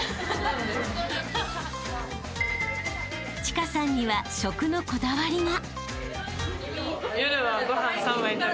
［千佳さんには食のこだわりが］